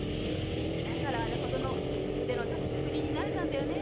だからあれほどの腕の立つ職人になれたんだ。